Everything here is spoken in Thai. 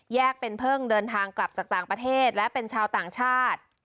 เป็นเพิ่งเดินทางกลับจากต่างประเทศและเป็นชาวต่างชาติ